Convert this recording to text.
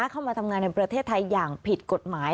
เข้ามาทำงานในประเทศไทยอย่างผิดกฎหมาย